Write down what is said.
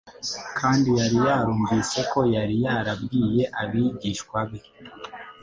kandi bari barumvise uko yari yarabwiye abigishwa be.